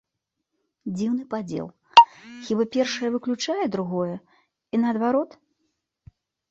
Дзіўны падзел, хіба першае выключае другое, і наадварот?